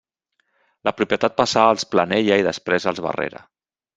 La propietat passà als Planella i després als Barrera.